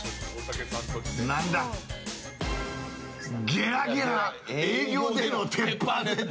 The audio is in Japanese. ゲラゲラ営業での鉄板ネタ。